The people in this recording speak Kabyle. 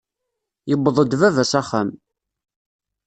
Yewweḍ-d Baba s axxam.